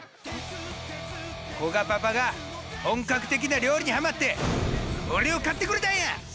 こがパパが本格的な料理にはまって俺を買ってくれたんや！